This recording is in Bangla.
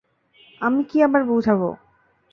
আমি কি আবার বুঝাবো?